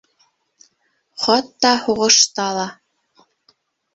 Хатта һуғышта ла...